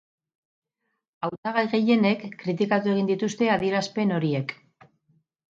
Hautagai gehienek kritikatu egin dituzte adierazpen horiek.